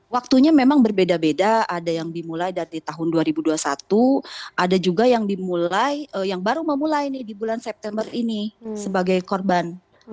waktunya memang berbeda beda ada yang dimulai dari tahun dua ribu dua puluh satu ada juga yang dimulai yang baru memulai nih di bulan september ini sebagai korban